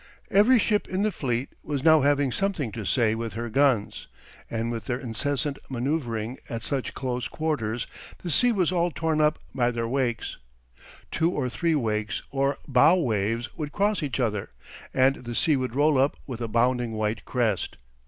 Every ship in the fleet was now having something to say with her guns; and with their incessant manoeuvring at such close quarters the sea was all torn up by their wakes. Two or three wakes or bow waves would cross each other, and the sea would roll up with a bounding white crest.